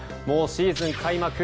もうシーズン開幕